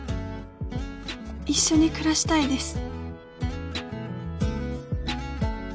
「一緒に暮らしたいです」